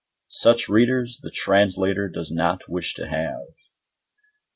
Such readers the Translator does not wish to have.